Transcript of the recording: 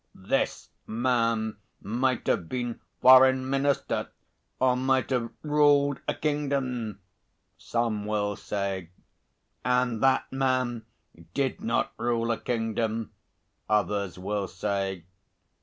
'This man might have been Foreign Minister or might have ruled a kingdom,' some will say. 'And that man did not rule a kingdom,' others will say.